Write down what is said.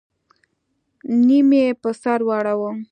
نيم يې په سر واړوه.